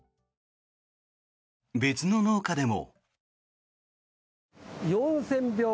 別の農家でも。